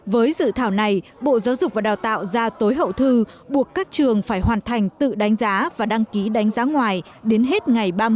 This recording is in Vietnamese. với dự thảo này bộ giáo dục và đào tạo ra tối hậu thư buộc các trường phải hoàn thành tự đánh giá và đăng ký đánh giá ngoài đến hết ngày ba mươi tháng sáu năm hai nghìn một mươi bảy